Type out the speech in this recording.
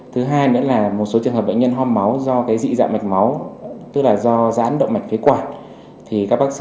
thứ hai nữa là một số trường hợp bệnh nhân ho máu do cái dị dạng mạch máu tức là do giãn động mạch phế quản